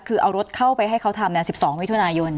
คือเอารถเข้าไปให้เขาทำเนี่ย๑๒วิทยุนายน